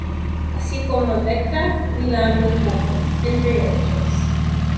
Así como Elektra, Milano y Coppel, entre otros.